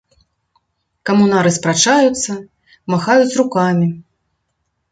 Камунары спрачаюцца, махаюць рукамі.